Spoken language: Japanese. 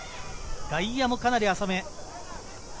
外野もかなり浅め。